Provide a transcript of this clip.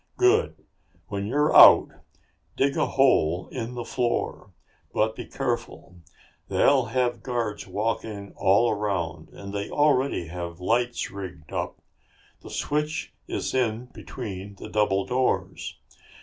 "Good. When you're out, dig a hole in the floor. But be careful. They have guards walking all around, and they already have lights rigged up. The switch is in between the double doors.